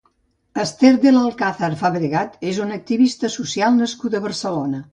Esther del Alcázar Fabregat és una activista social nascuda a Barcelona.